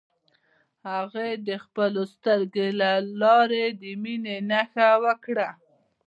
هغې د خپلو سترګو له لارې د مینې نښه ورکړه.